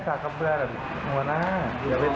สาขำเบลอซื้อขวานอย่างนึง